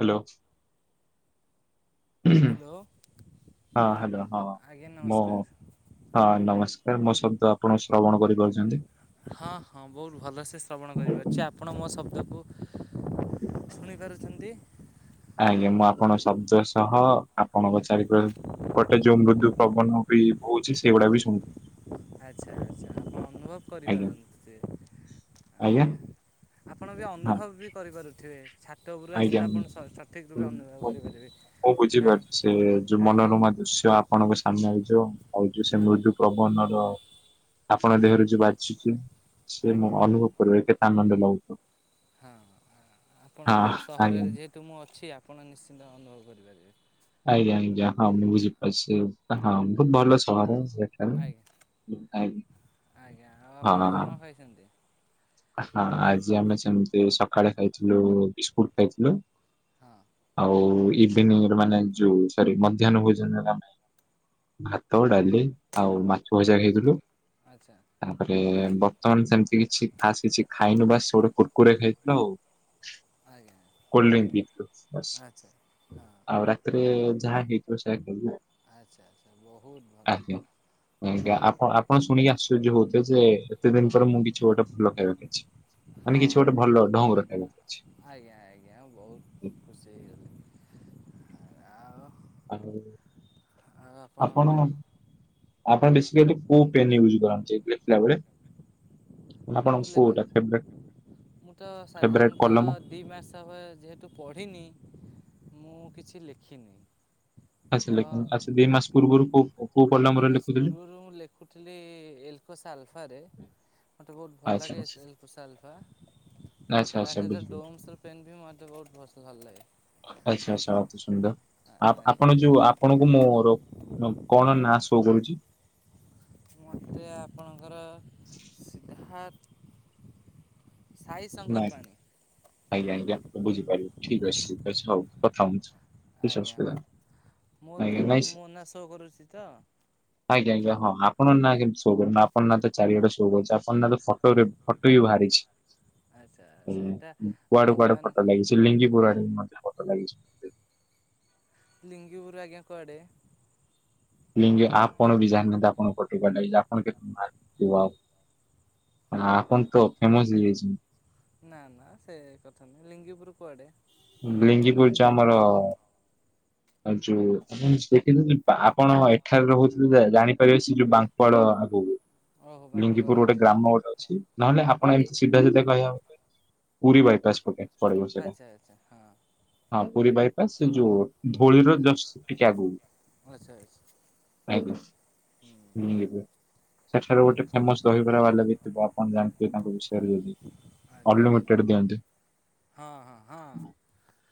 Hello. Hello. ହଁ hello ହଁ ଆଜ୍ଞା ମୁଁ ନମସ୍କାର। ହଁ ନମସ୍କାର ମୁଁ ସ ତ ଆପଣ ଶ୍ରବଣ କରିପାରୁ [unintelligible] ହଁ ହଁ ବୋହୁତ ଭଲସେ ଶ୍ରବଣ କରିବାର ଅଛି ଆପଣ ମୋ ସବ ତାକୁ ଶୁଣି ପାରୁଚନ୍ତି। ଆଜ୍ଞା ମୁଁ ଆପଣ ଶବ୍ଦ ସହ ଆପଣଙ୍କ ଚାରିପ ଗଟେ ଯୋଉ ମୃଦ୍ୟୁ ପ୍ରବଣ ବି ହଉଚି ସେଗୁଡା ବି ଶୁଣ ଆଚ୍ଛା ଆଚ୍ଛା ଅନୁଭବ କରିପାରୁନ୍ତ ସେ ଆଜ୍ଞା ଆପଣ ବି ହଁ ଅନୁଭବ ବି କରିପାରୁଥିବେ। ଛାତ ଉପରୁ ଆଜ୍ଞା ଆସିଲେ ମୁଁ ଆପଣ ସଠିକ୍ ରୂପେ ଅନୁଭବ ମୁଁ- କରିପାରିବେ। ମୁଁ କାହିଁ ବୁଝିପାରୁଚି ସେ ଯୋଉ କାହିଁକି ମନୋରମା ଦୃଶ୍ୟ ଆପଣଙ୍କ ସାମ୍ନା ଆ ହଉ ଯୋଉ ସେ ମୃଦୁ ପବନର ଆପଣଙ୍କ ଆଜ୍ଞା ଦେହରେ ଯୋଉ ବାଯୁଚି ସେ ଆଜ୍ଞା ମୁଁ ଅନୁଭବ କରିବ କେତେ ଆନନ୍ଦ ଲାଗୁଥ ହଁ ଆପଣଙ୍କ ସହରରେ ଆଜ୍ଞା ଯେହେତୁ ମୁଁ ଅଛି। ଆପଣ ନିଶ୍ଚିନ୍ତ ଅନୁଭବ କରିପାରିବେ। ଆଜ୍ଞା ଆଜ୍ଞା ହଁ ମୁଁ ବୁଝିପାରୁଚି ହଁ ବହୁତ ଭଲ ସହର ସେଠାରେ। ଆଜ୍ଞା ଆଜ୍ଞା। ଆଜ୍ଞା ଆଉ ଆପଣ ହଁ ଆଜି କଣ ଖାଇଚନ୍ତି? ହଁ ଆଜି ଆମେ ସେମିତି ସକାଳେ ଖାଇଥିଲୁ ବିସ୍କୁଟ ଖାଇଥିଲୁ। ହଁ ଆଉ ଇଭିନି ମାନେ ଯୋଉ ସରି ମଧ୍ୟାହ୍ନ ଭୋଜନରେ ଆମେ ଭାତ ଡାଲି ଆଉ ମାଛ ଭଜା ଖାଇଥିଲୁ। ଆଚ୍ଛା ତାପରେ ବର୍ତ୍ତମାନ ସେମିତି କିଛି ଖାସ୍ କିଛି ଖାଇନୁ ବାସ୍ [unintelligible] କୁର୍କୁରେ ଖାଇଥିଲ ଆଉ। ଆଜ୍ଞା କୋଲଡ୍ରିଙ୍କ ପିଇଥିଲୁ ବାସ୍ ଆଚ୍ଛା ହଁ। ଆଉ ରାତିରେ ଯାହା ହେଇଥିବ ସେଇୟା ଖାଇବୁ ଆଉ। ଆଚ୍ଛା ବହୁତ ଆ ଭଲ ଆଜ୍ଞା ଆପଣ ଆପଣ ଶୁଣିକି ଆଶ୍ଚର୍ଯ୍ୟ ହୋଉଥେ ଯେ ଏତେ ଦିନ ପରେ ମୁଁ କିଛି ଗୋଟେ ଲ କେମଖଛି ହଁ ଆଜ୍ଞା ଆଜ୍ଞା ବୋହୁତ ଖୁସି ହେଇଗ [inaudible] ଆଉ ଆଉ ଆପଣ ଆପଣଙ୍କ ଆପଣ ବେସିକଲି କୁ ପେନ ୟୁଜ କରନ୍ତି [unintelligible] ଥିଲା ବେଳେ? ମୁଁ ଆପଣଙ୍କୁ ଲେଖି କୋଉଟା ଫେବ ମୁଁ ତ ସାଧାରଣତଃ ଦୁଇ ମାସ ଯେହେତୁ ପଢ଼ିନି ମୁଁ କିଛି ଲେଖିନି। ଆ ଲେଖ ଆ ଦୁଇ ମାସ ପୂର୍ରୁ କୋ ଦି ମାସ ପୂର୍ବରୁ ମୁଁ ଲେଖୁଥିଲି ଏକ ଆଲଫାରେ ମୋତେ ବୋହୁତ ଭଲ ଆଚ୍ଛା ଲାଗେ ଆଚ୍ଛା ଏଲ ପୋସା ଆଲଫା। ଆଚ୍ଛା ତା ଆଚ୍ଛା ସାତ ବୁଝିଲି ଡୋମସ ପେନ୍ ବି ମେ ବୋହୁତ ପ ଭଲ ଲାଗେ। ଆଚ୍ଛା ଆଚ୍ଛା ଅତି ସୁନ୍ଦର ଆଜ୍ଞା ଆପଣ ଯୋଉ ଆପଣଙ୍କୁ ମୋର କଣ ନାଁ। ସୋ କରୁଚି। ମୋତେ ଆପଣଙ୍କର। ହାର। ନାଇଁ ଆଜ୍ଞା ଆଜ୍ଞା ତ ବୁଝିପାରିବ ଠିକ୍ ଅଛିି ଅଛି ହଉ କଥା ହଉଚି। କିଛି ଅସୁବିଧା ନାଇ ମୁଁ ତ ମୋ ନାଆଁ ସୋ କରୁଛି ତ? ଆଜ୍ଞା ଆଜ୍ଞା ହଁ ଆପଣଙ୍କ ନାଁ ଶୋ କରୁନ ଆପଣ ନା ତ ଚାରିଆଡେ ଶୋ କରଚି ଆପଣ ନା ତ ଫଟୋ ରେ ଫଟୋ ବି ବାହାରିଚି। ଆଚ୍ଛା ହୁଁ ସେଇଟା କୁଆଡେ କୁଆଡେ ଭଗବାନ ଫୋଟୋ କହି ଲାଗିଛି ଲିଙ୍ଗିପୁର ଆଡ଼େ ମଧ୍ୟ। ଲାଗିଚି [inaudible] ଲିଙ୍ଗୁିପୁରୁ ଆଜ୍ଞା କୁଆଡ଼େ? ଲିଙ୍ଗି ଆପଣ ବି ଜାଣିନାହାନ୍ତି ଆପଣ [inaudible] ଆପଣ ତ ଫେମସ ହେଇଯାଇଛ। ନା ନା ସେ କଥା ନୁହଁ। ଲିଙ୍ଗିପୁର କୁଆଡେ? ଲିଙ୍ଗିପୁର ଯୋ ଆମର-ଅ-ଅ-ଅ ଆଉ ଯୋଉ ଆପ ଦେଖିଛନ୍ତି ପା ଆପଣ ଏଠାରେ ରହୁଥିଲେ ଜାଣିପାରିବେ ସେ ଯୋଉ ବାଙ୍କୁଆଳ ଆଗକୁ। ଓହୋ ଲିଙ୍ଗିପୁର ବାଙ୍କଳା ଗୋଟେ ଗ୍ରାମ ଗୋଟେ ଅଛି ନହେଲେ ଆପଣ ଆଗ ଏମିତି ସିଧା ସିଧା କହିବାକୁ [inaudible] ପୁରୀ ବାଇପାସ ପଟେ ପଡିବ ସେଇଟା, ଆଚ୍ଛା ଆଚ୍ଛା ହଁ ହଁ ପୁରୀ ବାଇପାସ ସେ ଯଉ ଧଉଳିର ଜଷ୍ଟ ଟିକେ ଆଗକୁ, ଆଚ୍ଛା ଆଚ୍ଛା ଆଜ୍ଞା। ଯିବ ସେଠାରୁ ଗୋଟେ ଫେମସ ଦହିବରାା ବାଲା ବି ଥିବ ଆପଣ ଜାଣି ଯେ ତାଙ୍କ ବିଷୟରେ ଯଦି ଆଚ୍ଛା ଅନଲିମିଟେଡ ଦିଅନ୍ତି। ହଁ ହଁ ହଁ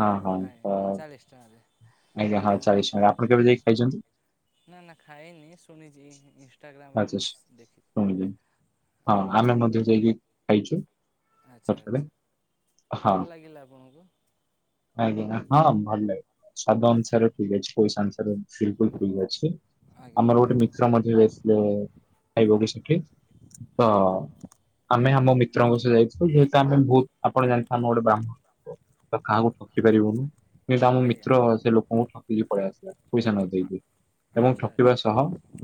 ହଁ ହଁ ଆ ତ ଚାଲିଶ ଟଙ୍କାରେ। ଆଜ୍ଞା ହଁ ଚାଳିଶ ଟଙ୍କା। ଆପଣ କେବେ ଯାଇକି ଖାଇଛନ୍ତି? ନା ନା ଖାଇନି ଶୁଣିଛି ଇନସଟାଗ୍ରାମରେ ଆଚ୍ଛା ମୁଁ ଦେଖଛି। ଶୁଣିଲି ହଁ ଆମେ ମଧ୍ୟ ଯାଇକି ଖାଇଛୁ। ଆଚ୍ଛା ସେଠାରେ ଆଚ୍ଛା। ହଁ ଭଲ ଲାଗିଲା ଆପଣଙ୍କୁ? ଆଜ୍ଞା। ହଁ ଭଲ ଲାଗେ ସ୍ୱାଦ ଅନୁସାରେ ଠିକ ଅଛି ପଇସା ଅନୁସାରେ ବିଲକୁଲ ଠିକ୍ ଅଛି। ଆଜ୍ଞା ଆମର ଗୋଟେ ମିତ୍ର ମଧ୍ୟ ଯାଇଥିଲେ-ଏ-ଏ ଖାଇବାକୁ ସେଠି ହଁ ତ-ଅ-ଅ ଆମେ ଆମ ମିତ୍ରଙ୍କ ସହ ଯାଇଥିଲୁ ଯେହେତୁ ଆମେ ବହୁତ ଆପଣ ଜାଣିଥା ଆମ ଗୋଟେ ବ୍ରାହ୍ମଣ ତ କାହା କୁ ଠକି ପାରିବୁନୁ। କିନ୍ତୁ ଆମ ଆଜ୍ଞା ମିତ୍ର ସେ ଲୋକଙ୍କୁ ଠକିକି ପଳେଇଆସି ପଇସା ନ ଦେଇକି ଏବଂ ଆଚ୍ଛା ଠକିବା ଆଚ୍ଛା ସହ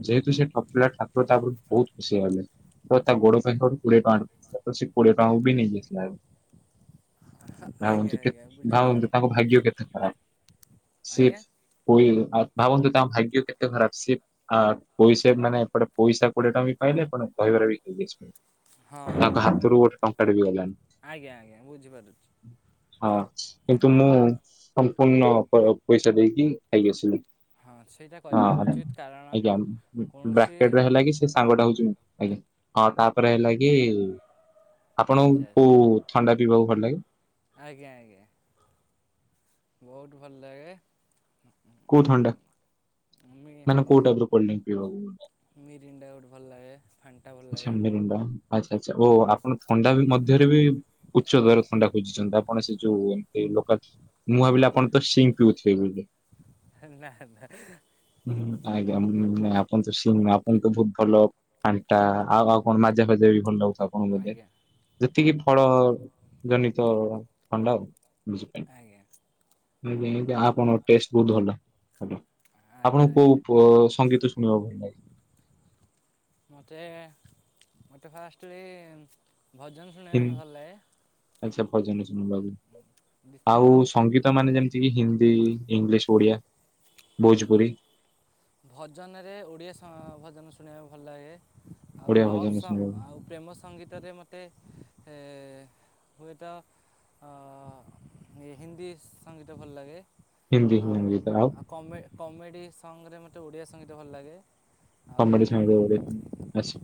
ଯେହେତୁ ସେ ଠକିଲା ଠାକୁର ତାପରେ ବହୁତ ସେୟା ହେଲେ। ତ ତା ଗୋଡ ପାଖରେ କୋଡିଏ ଟଙ୍କା ପଡିଥିଲା ସେ କୋଡିଏ ଟଙ୍କା ବି ନେଇକି ଆସିଲା। ଆଜ୍ଞା ଭାବନ୍ତୁ କେତେ ଆଜ୍ଞା। ବୁଝିପାରୁଛି ଭାବନ୍ତୁ ତାଙ୍କ ଭାଗ୍ୟ କେତେ ଖରାପ ସି ଆଜ୍ଞା କୋଇ ଆ ଭାବନ୍ତୁ ତାଙ୍କ ଭାଗ୍ୟ କେତେ ଖରାପ ସିଏ ଆ ପଇସା ମାନେ ଏପଟେ ପଇସା କୋଡିଏ ଟଙ୍କା ବି ପାଇଲେ ହଁ [unintelligible] [inaudible] ତାଙ୍କ ହାତରୁ ଗୋଟେ ଟଙ୍କାଟେ ବି ଗଲାନି। ଆଜ୍ଞା ଆଜ୍ଞା ବୁଝିପାରୁଚୁ। ହଁ କିନ୍ତୁ ମୁଁ-ଉ-ଉ ସମ୍ପୂର୍ଣ୍ଣ ପ ପଇସା ଦେଇକି ଖାଇକି ଆସିଲି। ହଁ ସେଇଟା ହ କରିବା ଉଚିତ କାରଣ ଆଜ୍ଞା କୌଣସି ବ୍ରାକେଟରେ ହେଲା କି ସେ ସାଙ୍ଗ ଟା ହଉଛି ମୁଁ। ଆଜ୍ଞା ହଁ ତାପରେ ହେଲା କି-ଇ-ଇ ଆପଣ ଆଚ୍ଛା କୋଉ ଥଣ୍ଡା ପିଇବାକୁ ଭଲ ଲାଗେ? ଆଜ୍ଞା ଆଜ୍ଞା ବହୁତ ଭଲ ଲାଗେ କଉ ଥଣ୍ଡା, ମି ମାନେ କୋଉ ଟାଇପ ର କୋଲଡ୍ରିଙ୍କ ପିଇବାକୁ ଭଲ ଲାଗେ? ମିରିଣ୍ଡା ଗୋଟେ ଭଲ ଲାଗେ, ଫାଣ୍ଟା ଭଲ ଆଚ୍ଛା ଲାଗେ। ମିରିଣ୍ଡା ଆଚ୍ଛା ଆଚ୍ଛା ଓ ଆପଣ ଥଣ୍ଡା ମଧ୍ୟରେ ବି ଉଚ୍ଚଦାର ଥଣ୍ଡା ଖୋଜିଛନ୍ତି ଆପଣ ସେ ଯୋଉ ଏମତି ଲୋକାଚ୍ ମୁଁ ଭାବିଲି ଆପଣ ତ ସିଙ୍କ୍ ପିଉଥିବେ ବୋଲି। ନା ନା। ହୁଁ ଆଜ୍ଞା ଆପଣ ତ ସିଙ୍କ୍ ଆପଣ ତ ବହୁତ ଭଲ ଫାଣ୍ଟା ଆଉ ଆଉ କଣ ମାଜା ଫାଜା ବି ଭଲ ଲାଗୁ ଆପଣ ବୋଧେ ଆଜ୍ଞା ଯେତିକି ଫଳ-ଅ-ଅ-ଅ ଜନିତ ଥଣ୍ଡା ଆଉ ଆଜ୍ଞା। ଯେମିତି ଆପଣଙ୍କ ଟେଷ୍ଟ ବହୁତ ଭଲ ଭଲ। ଆଜ୍ଞା ଆପଣକୁ କୋଉ ଆଜ୍ଞା ପ ସଙ୍ଗୀତ ଶୁଣିବାକୁ ଭଲ ଲାଗେ? ମତେ ଫାଷ୍ଟରେ ଭଜନ ହିନ୍ ଶୁଣିବାକୁ ଭଲ ଲାଗେ। ଆଚ୍ଛା ଭଜନ ଶୁଣିବାକୁ, ଆଉ ଦ୍ୱିତୀୟ ସଙ୍ଗୀତ ମାନେ ଯେମତି ହିନ୍ଦୀ, ଇଂଲିଶ, ଓଡ଼ିଆ, ଭୋଜପୁରୀ? ଭଜନରେ ଓଡ଼ିଆ ଭଜନ ଶୁଣିବାକୁ ଭଲ ଲାଗେ ଆଉ ଓଡିଆ ଭଜନ ଲଭ୍ ଶୁଣିବାକୁ ଆଉ ପ୍ରେମ ସଙ୍ଗୀତରେ ମୋତେ ହୁଏତ ଆ ହିନ୍ଦୀ ସଂଙ୍ଗୀତ ଭଲ ଲାଗେ। ହିନ୍ଦୀ ଆଉ ସଙ୍ଗୀତ ଆଉ କମ କମେଡ଼ି ସଙ୍ଗରେ ମୋତେ ଓଡ଼ିଆ ସଙ୍ଗୀତ ଭଲ ଲାଗେ। ଆଉ କମେଡି ସଙ୍ଗ୍ ରେ ଆଚ୍ଛା।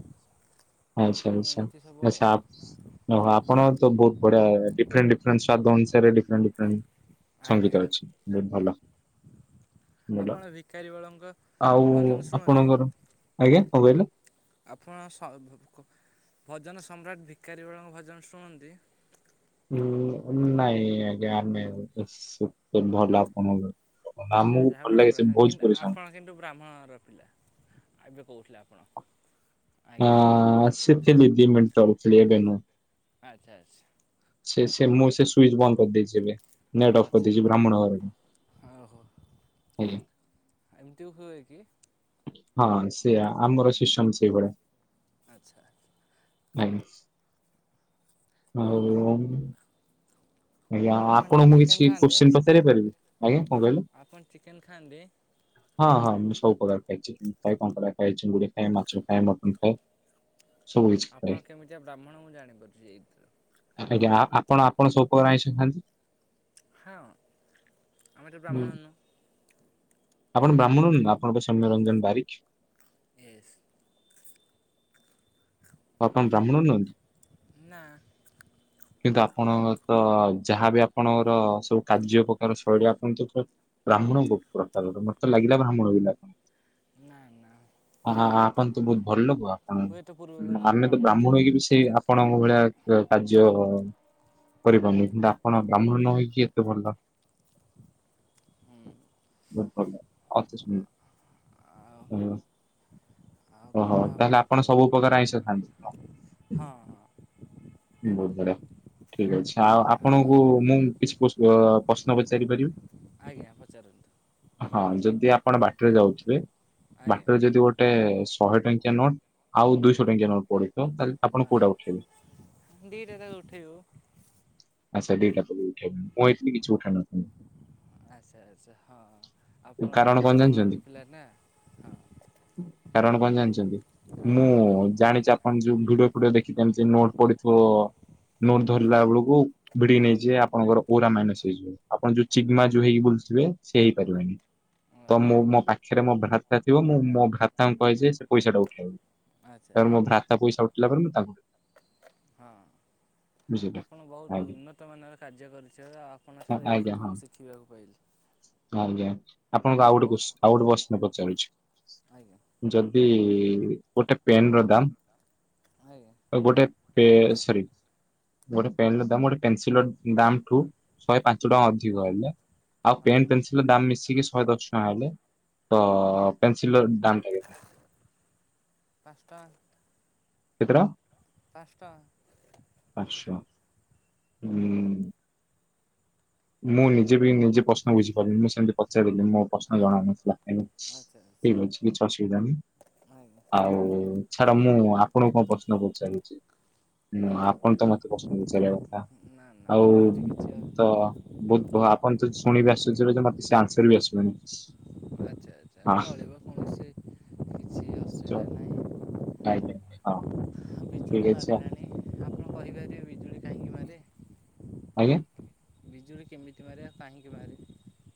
ଆଚ୍ଛା ଆଚ୍ଛା ଏମିତି ସବୁ ଆଉ ଆଚ୍ଛା ଆପଣ ଓହୋ ଆପଣ ତ ବହୁ ବଢିଆ ଡିଫରେଣ୍ଟ ଡିଫରେଣ୍ଟ ସ୍ଵାଦ ଅନୁସାରେ ଡିଫରେଣ୍ଟ ଡିଫରେଣ୍ଟ ଆଜ୍ଞା ସଙ୍ଗୀତ ଅଛି ବହୁତ ଭଲ। ଭଲ ଆପଣ ଭିକାରୀ ବଳଙ୍କ ଆଉ ଭଜନ ଶୁଣନ୍ତି? ଆପଣଙ୍କର ଆଜ୍ଞା କଣ କହିଲେ? ଆପଣ ଭଜନ ସମ୍ରାଟ ଭିକାରୀ ବଳଙ୍କ ଭଜନ ଶୁଣନ୍ତି? ନାଇଁ ଆଜ୍ଞା ଆମେ ସେତେ ଭଲ ଆପଣ ଆଚ୍ଛା ଆଚ୍ଛା ଆପଣ ସଙ୍ଗ ଆପଣ କିନ୍ତୁ ବ୍ରାହ୍ମଣ ଘର ର ପିଲା। ଏବେ କହୁଥିଲେ ଆପଣ। ଆଜ୍ଞା [unintelligible] ଆଚ୍ଛା ଆଚ୍ଛା। ସେ ସେ ମୁଁ ସେ ସୁଇଚ ବନ୍ଦ କରିଦେଇଛି ଏବେ। ନେଟ୍ ଅଫ୍ ଆଚ୍ଛା କରିଦେଇଛି ବ୍ରାହ୍ମଣ ଘରକୁ ଓ ହୋ। ଆଜ୍ଞା। ଏମିତି ହୁଏ କିି? ହଁ ସେୟା ଆମର ସିଷ୍ଟମ ସେଇଭଳିଆ। ଆଚ୍ଛା। ଆଜ୍ଞା। ତାହେଲେ ଆଉ ଆଜ୍ଞା ଆପଣ ଆପଣଙ୍କୁ ମୁଁ ଚିକେନ୍ କିଛି ଖାଆନ୍ତି କୋଶ୍ଚିନ ପଚାରି ପାରିବି ଆଜ୍ଞା କଣ କହିଲେ? ଆପଣ ଚିକେନ୍ ଖାଆନ୍ତି ହଁ ହଁମ ସବୁ ପ୍ରକାର ଖାଇଛି ଚୁଗୁଡ଼ି ଖାଏ, ମାଛ ଖାଏ, ମଟନ ଖାଏ। ସବୁ କିଛି ଖାଏ ଆପଣ କେମିତିଆ ବ୍ରାହ୍ମଣ ମୁଁ ଜାଣିପାରୁଛି ଏଇ ଥିରୁ। କଣ ଆପଣ ସବୁ ପ୍ରକାର ଆଇଁଷ ଖାଆନ୍ତି? ହଁ ଆମେ ତ ହୁଁ ବ୍ରାହ୍ମଣ ନୁହଁ। ଆପଣ ବ୍ରାହ୍ମଣ ନୁହେଁ ଆପଣ ପରା ସୌମ୍ୟ ରଞ୍ଜନ ବାରିକ। ୟେସ୍। ଆପଣ ବ୍ରାହ୍ମଣ ନୁହନ୍ତି? ନା। କିନ୍ତୁ ଆପଣ ତ ଯାହା ବିି ଆପଣଙ୍କର ସବୁ କାର୍ଯ୍ୟ ପ୍ରକାର ଶୈଳୀ ଆପଣ ବ୍ରାହ୍ମଣଙ୍କ ପ୍ରକାର। ମତେ ଲାଗିଲା ବ୍ରାହ୍ମଣ ପିଲା। ନା ନା। ଆ ଆପଣ ତ ବହୁତ ଭଲ ଲୋକ ଆପଣ। ହୁଏତ ପୂର୍ବ ଜନ୍ମରେ ଆମେ ତ ବ୍ରାହ୍ମଣ ଥିଲି ହେକ ବି ସେଇ ଆପଣଙ୍କ ଭଳିଆ କାର୍ଯ୍ୟ ହୁଁ କରିପାରୁନୁ କିନ୍ତୁ ଆପଣ ବ୍ରାହ୍ମଣ ନ ହେଇକି କି ଏତେ ଭଲ ହୁଁ [unintelligible] ଓହୋ ଆଉ ଆଉ କଣ ତାହଲେ ଆପଣ ଖବର ସବୁ ଉପକାର ଆଇଁଷ ଖାଆନ୍ତି? ହଁ ହଁ ହୁଁ ବହୁତ୍ ଭଲ। ଠିକ ଅଛି। ଆଉ ଆଉ ଆପଣଙ୍କୁ ମୁଁ କିଛି ଅ ପ୍ରଶ୍ନ ପଚାରି ପାରିବି? ଆଜ୍ଞା ପଚାରନ୍ତୁ। ହଁ ଯଦି ଆପଣ ବାଟରେ ଯାଉଥିବେ ବାଟରେ ଆଜ୍ଞା ଯଦି ଗୋ ଟେ ଶହେ ଟଙ୍କିଆ ନୋଟ୍ ଆଉ ଦୁଇଶ ଟଙ୍କିଆ ନୋଟ୍ ପଡିଥିବ। ତାଲେ ଆପଣ କୋଉଟା ଉଠେଇବେ? ଦିଟାଜ ଉଠେଇବୁ। ଆଚ୍ଛା ଦିଟାକୁ ଉଠେଇବ ମୁଁ ଏଠି କିଛି ଉଠାଇନା ତ ମୁଁ ଆଚ୍ଛା ଆଚ୍ଛା ହଁ ଆପଣ କାରଣ ବୋହୁତ୍ କଣ ବ୍ରାହ୍ମଣ ଘର ଜାଣିଛନ୍ତି? ପିଲା ନା ହଁ। କାରଣ କଣ ଜାଣିଚନ୍ତି ଆଉ କଣ ମୁଁ ଜାଣିଚି ଆପଣ ଯୁମ୍ ଭିଡିଓ ଫିଡିଓ ଦେଖିକି ଆଣିଥିଲୁ ନୋଟ ପଡିଥିବ ନୋଟ ଧରିଲା ବେଳକୁ ଭିଡିକି ହଁ ନେଇ ଆଚ୍ଛା ଯିବେ ଆପଣଙ୍କର ଓରା ମାଇନସ୍ ହେଇଯିବ ଆପଣ ଯୋଉ ଚିଗ୍ମା ଯୋଉ ହେଇକି ବୁଲୁଥୁବେ ସେ ହେଇପାରିବନି। ତ ଆଚ୍ଛା ମୁଁ ମୋ ପାଖେରେ ମୋ ଭ୍ରାତା ଥିବ ମୁଁ ମୋ ଭ୍ରାତାଙ୍କୁ କହିଚି ସେ ପଇସାଟା ଉଠେଇବ। ଆଚ୍ଛା ତାପରେ ମୋ ଭ୍ରାତା ପଇସା ଉଠିଲା ପରେ ମୁଁ ତାଙ୍କୁ ହଁ ବୁଝିଲେ। ଆପଣ ବୋହୁତ୍ ଆଜ୍ଞା ଉନ୍ନତ ମାନର କାର୍ଯ୍ୟ କରୁଚ ଆପଣ ହଁ ଠାରୁ ଏଇ ଆଜ୍ଞା କଥା ହଁ ମୁଁ ଶିଖିବାକୁ ପାଇଲି। ଆଜ୍ଞା ଆପଣଙ୍କୁ ମୁଁ ଆଉ ଗୋଟେ ବହୁତ କୋସ୍-ଆଉ ଗୋଟେ କୋଶ୍ଚିନ୍ ଆଜ୍ଞା ପଚାରୁଛି ଯଦି ଏଇ ଗୋଟେ ପେନର ଦାମ୍ ଆଜ୍ଞା ଆଉଗୋଟେ ପେ-ସରି ଗୋଟେ ପେନର ଦାମ୍ ଗୋଟେ ପେନସିଲର ଦାମଠୁ ଶହେ ପାଞ୍ଚ ଟଙ୍କା ଅଧିକ ହେଲେ ଆଉ ହଁ ପେନ୍, ପେନସିଲର ଦାମ୍ ମିଶିକି ଶହେ ଦଶ ଟଙ୍କା ହେଲେ ତ ପେନସିଲର ଦାମଟା କେତେ? ପାଂସ୍ ଟଙ୍କା। କେତେ ଟଙ୍କା? ପାଂସ୍ ଟଙ୍କା। ପାଂସ୍ ଟଙ୍କା ହୁଁ। ମୁଁ ନିଜେ ବି ନିଜେ ପ୍ରଶ୍ନ ବୁଝିପାରୁନି ମୁଁ ସେମତି ପଚାରିଲିି ମୋ ପ୍ରଶ୍ନ ହଁ ଜଣାନଥିଲା ଏମି ଆଚ୍ଛା ଆଚ୍ଛା ଠିକ୍ ଅଛି କିଛି ଅସୁବିଧା ନାହିଁ ଆଜ୍ଞା ଆଉ ଛାଡ ମୁଁ ଆ ଆପଣଙ୍କୁ କଣ ପ୍ରଶ୍ନ ପଚାରୁଚି? ହଁ ଆପଣ ତ ମତେ ପ୍ରଶ୍ନ ପଚାରିବା କଥା ନା ନା ଆଉ ଏମିତି କିଛି ତ ତ ଆପଣ ଯଦି ଶୁଣିବେ ଆଶ୍ଚର୍ଯ୍ୟ ରହିଯିବେ ମତେ ସେ ଆନସାର୍ ବି ଆସିବନି। ଆଛା ଆଛା ହଁ ଚଳିବ କୌଣସି କିଛି ଚ ଅସୁବିଧା ନାହିଁ ଆଜ୍ଞା ହଁ ଠିକଅଛି ଆ କଣ କରିପାରିବେ ବିଜୁଳି କାହିଁକି ମାରେ ଆଜ୍ଞା? ବିଜୁଳି କେମିତି ମାରେ ଆଉ କାହିଁକି ମାରେ?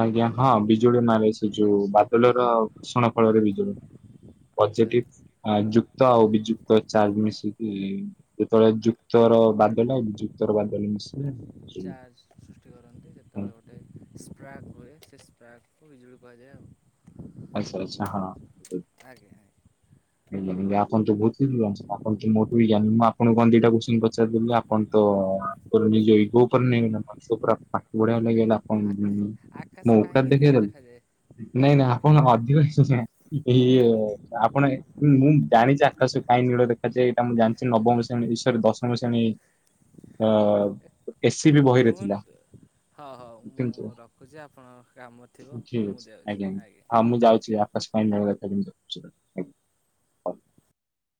ଆଜ୍ଞା ହଁ ବିଜୁଳି ମାରେ ସେ ଯୋଉ ବାଦଲର ଘର୍ଷଣ ଫଳରେ ବିଜୁଳି ଆଚ୍ଛା। ପଜେଟିଭ୍ ଆ ଯୁକ୍ ତ ଆଉ ବିଯୁକ୍ତ ଚାର୍ଜ ମିଶିକି ଯେତେବେଳେ ଆ ଯୁକ୍ତର ବାଦଲ ଆଉ ବିଯୁକ୍ତର ବାଦଲ ମିଶେ ସେଇ ଶିକି ସୃଷ୍ଟି କରନ୍ତି ହଁ। ଯେତେବେଳେ ଗୋଟେ ସ୍ପ୍ରାକ୍ ସେ ସପ୍ରାର୍କକୁ ବିଜୁଳି କୁହାଯାଏ ଆଉ। ଆଛା ଆଛା ହଁ। ଆଜ୍ଞା ଆଜ୍ଞା। ଯେମିତି ଆପଣ ତ ଭୋଉତ କିଛି ଜାଣଚନ୍ତି ଆପଣ ତ ମୋଠୁ ବି ଜ୍ଞାନି ମୁଁ ଆପଣକୁ କଣ ଦିଟା କୋଶ୍ଚିନ୍ ପଚାରଦେଲି ଯେ ଆପଣ୍ ତ ଆପଣ ନିଜ ଇଗୋ ଉପରେ ନେଇଗଲେ। [unintelligible] ମୋ ଆକାଶ ଔକାତ୍ କାହିଁକି ଦେଖେଇ ନୀଳ ଦେଲେ ଦେଖାଯାଏ? ନାଇ ନାଇ ଆ କୋଉଦିନ ଅଧିକ [unintelligible] ଇଏ ଆପଣ ବି ମୁଁ ଜାଣିଚି ଆକାଶ କାଇଁ ନୀଳ ଦେଖାଯାଏ ଏଇଟା ମୁଁ ଜାଣିଚି ନମ ଶ୍ରେଣୀ-ସରି ଦଶମ ଶ୍ରେଣୀ ଅ-ଏ ସିି ବି ବହିରେ ଥିଲା। ହୋଉ ହୋଉ କିନ୍ତୁ ମୁଁ ରଖୁଚି ଆପଣଙ୍କର କାମ ଥିବ ଠିକ ମୁଁ ଅଛି ଯାଉଛି ଆଜ୍ଞା। ହଁ ମୁଁ ଯାଉଛି ଆକାଶ ପାଇଁ ଧନ୍ୟବାଦ [unintelligible] ଆଜ୍ଞା ହୋଉ।